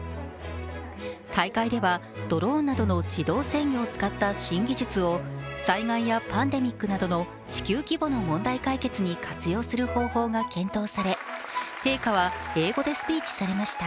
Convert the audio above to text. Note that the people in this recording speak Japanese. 大会ではドローンなどの自動制御を使った新技術を災害やパンデミックなどの地球規模の問題解決に活用する方法が検討され陛下は英語でスピーチされました。